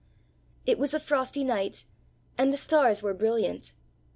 It was a frosty night, and the stars were brilliant.